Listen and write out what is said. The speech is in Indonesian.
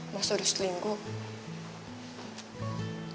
masa udah selingkuh